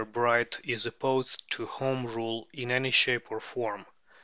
Bright is opposed to Home Rule "in any shape or form."